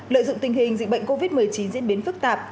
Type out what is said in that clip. lợi dụng tình hình dịch bệnh covid một mươi chín diễn biến phức tạp